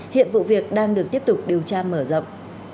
hiện vụ việc đang được tiếp tục điều tra mở rộng